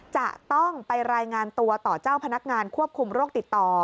จะต้องไปรายงานตัวต่อเจ้าพนักงานควบคุมโรคติดต่อ